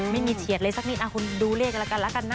ไม่มีเฉียดเลยสักนิดคุณดูเลขกันแล้วกันนะ